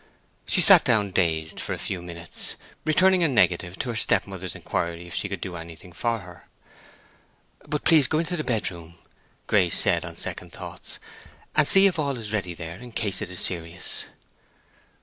She sat down dazed for a few minutes, returning a negative to her step mother's inquiry if she could do anything for her. "But please go into the bedroom," Grace said, on second thoughts, "and see if all is ready there—in case it is serious."